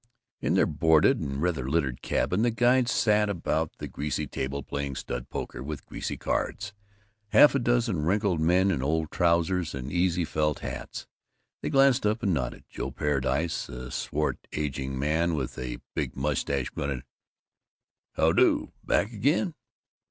In their boarded and rather littered cabin the guides sat about the greasy table playing stud poker with greasy cards: half a dozen wrinkled men in old trousers and easy old felt hats. They glanced up and nodded. Joe Paradise, the swart aging man with the big mustache, grunted, "How do. Back again?"